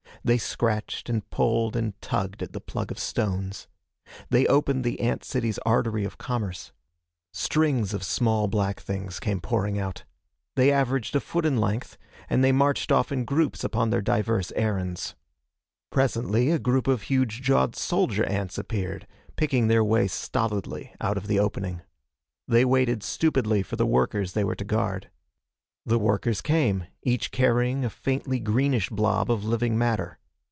They scratched and pulled and tugged at the plug of stones. They opened the ant city's artery of commerce. Strings of small black things came pouring out. They averaged a foot in length, and they marched off in groups upon their divers errands. Presently a group of huge jawed soldier ants appeared, picking their way stolidly out of the opening. They waited stupidly for the workers they were to guard. The workers came, each carrying a faintly greenish blob of living matter.